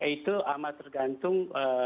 itu amat tergantung